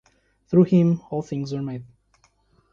Through him all things were made.